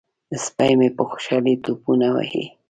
سپی مې په خوشحالۍ ټوپونه وهي.